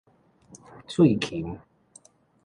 喙琴